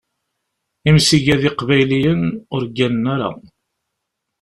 Imsidag iqbayliyen ur gganen ara.